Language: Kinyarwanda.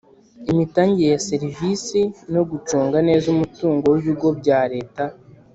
imitangire ya serivisi no gucunga neza umutungo w ibigo bya Leta